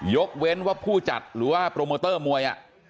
ยกเว้นว่าผู้จัดหรือว่าโปรโมเตอร์มวย